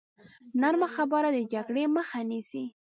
نرمه خبره د جګړې مخه نیسي.